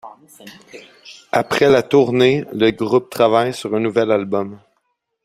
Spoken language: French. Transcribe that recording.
Après la tournée, le groupe travaille sur un nouvel album.